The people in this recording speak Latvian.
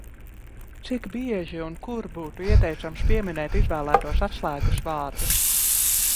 Cik bieži un kur būtu ieteicams pieminēt izvēlētos atslēgas vārdus?